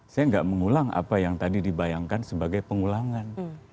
saya nggak mengulang apa yang tadi dibayangkan sebagai pengulangan